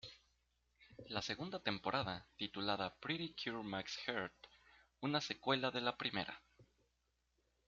La segunda temporada, titulada Pretty Cure Max Heart, una secuela de la primera.